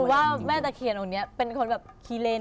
หนูว่าแม่ตะเขียนตรงนี้เป็นคนแบบขี้เล่น